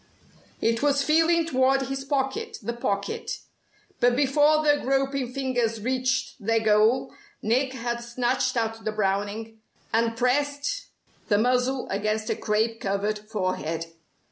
It was feeling toward his pocket, the pocket. But before the groping fingers reached their goal Nick had snatched out the Browning, and pressed the muzzle against a crape covered forehead.